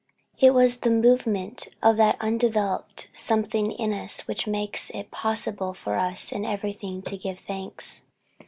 It was the movement of that undeveloped something in us which makes it possible for us in everything to give thanks.